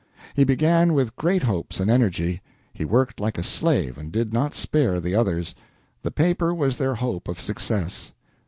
He began with great hopes and energy. He worked like a slave and did not spare the others. The paper was their hope of success.